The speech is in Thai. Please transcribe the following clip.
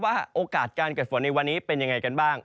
โอกาสการเกิดฝนในวันนี้เป็นยังไงกันบ้าง